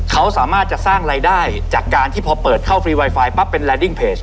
เขาสามารถจะสร้างรายได้จากการที่พอเปิดเข้าฟรีไวไฟปั๊บเป็นแลดิ้งเพจ